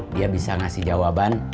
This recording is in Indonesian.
dia bisa ngasih jawaban